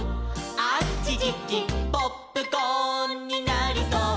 「あちちちポップコーンになりそう」